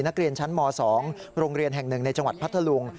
นักเรียนชั้นม๒โรงเรียนแห่ง๑ในจังหวัดพัทธลุง